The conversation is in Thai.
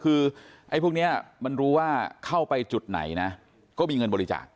คือไอ้พวกนี้มันรู้ว่าเข้าไปจุดไหนนะก็มีเงินบริจาค